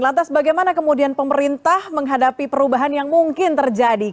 lantas bagaimana kemudian pemerintah menghadapi perubahan yang mungkin terjadi